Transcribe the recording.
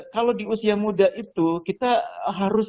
kalau di usia muda itu kita harus